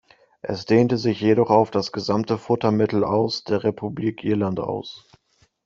Es dehnte sich jedoch auf das gesamte Futtermittel aus der Republik Irland aus.